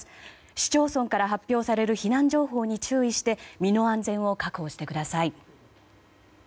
市町村から発表される避難情報に注意して身の安全を確保してください。